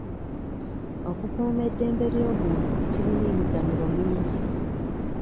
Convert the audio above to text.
Okukuuma eddembe ly'obuntu kirina emiganyulo mingi.